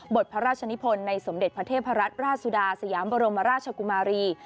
พระราชนิพลในสมเด็จพระเทพรัตนราชสุดาสยามบรมราชกุมารี